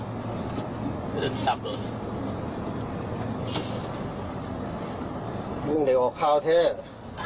เดี๋ยวออกข้าวเท่